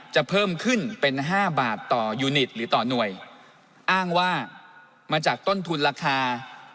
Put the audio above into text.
เพิ่มขึ้นเป็นห้าบาทต่อยูนิตหรือต่อหน่วยอ้างว่ามาจากต้นทุนราคา